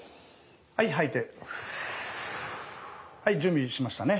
はい準備しましたね。